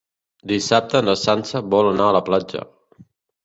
Dissabte na Sança vol anar a la platja.